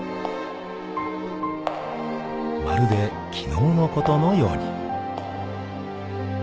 ［まるで昨日のことのように］